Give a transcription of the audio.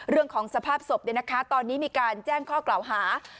เรื่องของสภาพศพตอนนี้มีการแจ้งข้อกล่าวหา